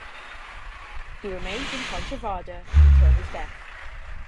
He remained in Pontevedra until his death.